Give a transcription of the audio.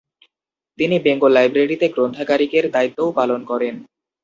তিনি বেঙ্গল লাইব্রেরিতে গ্রন্থাগারিকের দায়িত্বও পালন করেন।